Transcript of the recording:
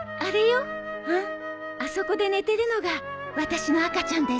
あそこで寝てるのが私の赤ちゃんです。